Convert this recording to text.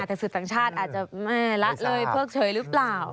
แต่สื่อต่างชาติอาจจะไม่ละเลยเพิกเฉยหรือเปล่า